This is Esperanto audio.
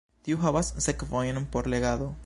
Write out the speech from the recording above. Tiu havas sekvojn por legado.